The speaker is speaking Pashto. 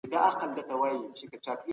پانګه په توليدي چارو کي لګول کيږي.